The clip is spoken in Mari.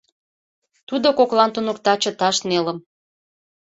Тудо коклан туныкта чыташ нелым.